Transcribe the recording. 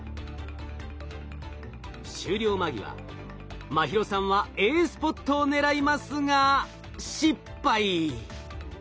終了間際茉尋さんはＡスポットを狙いますが失敗。